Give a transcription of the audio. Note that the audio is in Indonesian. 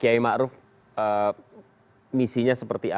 kiai ma'ruf misinya seperti apa